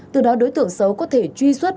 từ đó đối tượng xấu có thể truy xuất